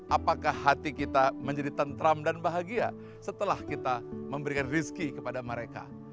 apakah hati kita menjadi tentram dan bahagia setelah kita memberikan rizki kepada mereka